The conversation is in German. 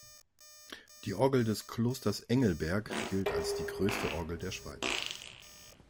Die Orgel des Klosters Engelberg gilt als die grösste Orgel der Schweiz.